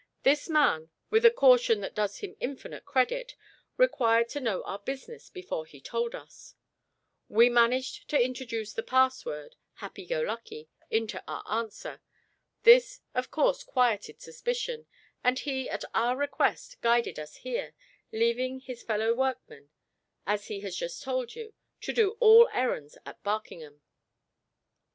"This man, with a caution that does him infinite credit, required to know our business before he told us. We managed to introduce the password 'Happy go lucky' into our answer. This of course quieted suspicion; and he, at our request, guided us here, leaving his fellow workman, as he has just told you, to do all errands at Barkingham."